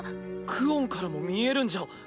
クオンからも見えるんじゃ。